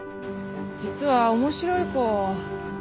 実は面白い子を。